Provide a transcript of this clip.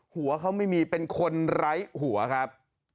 หัวเขาไม่มีเป็นคนนะครับ